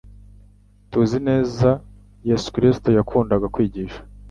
Tuzi nezako Yesu kristo yakundaga kwigisha